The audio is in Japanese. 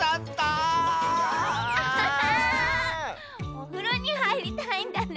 おふろにはいりたいんだね。